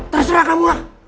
terserah kamu lah